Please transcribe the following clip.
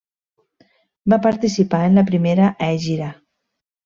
Va participar en la primera hègira.